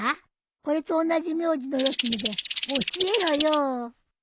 俺と同じ名字のよしみで教えろよ。